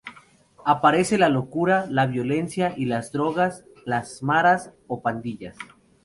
Aparece la locura, la violencia y las drogas, las maras o pandillas.